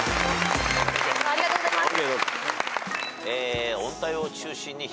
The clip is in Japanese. ありがとうございます。